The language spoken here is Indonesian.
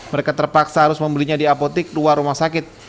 mereka terpaksa harus membelinya di apotik luar rumah sakit